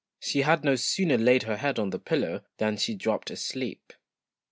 She had no sooner laid her head on the pillow than she dropped asleep.